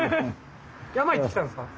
山行ってきたんですか？